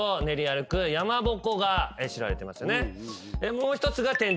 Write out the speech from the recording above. もう一つが。